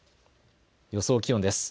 予想気温です。